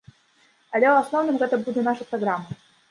Але, у асноўным, гэта будзе наша праграма.